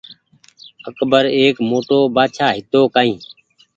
اڪبر ايڪ موٽو بآڇآ هيتو ڪآئي